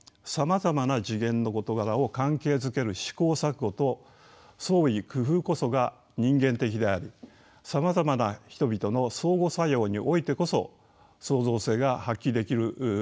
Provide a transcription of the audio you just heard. さまざまな次元の事柄を関係づける試行錯誤と創意工夫こそが人間的でありさまざまな人々の相互作用においてこそ創造性が発揮できるのだと思います。